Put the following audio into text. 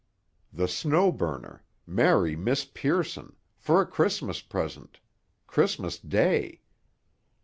The Snow Burner—marry Miss Pearson—for a Christmas present—Christmas Day!